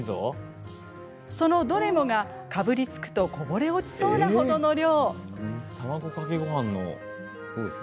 そのどれもが、かぶりつくとこぼれ落ちそうなほどの量。